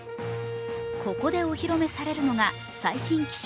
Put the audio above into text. ここでお披露目されるのが最新機種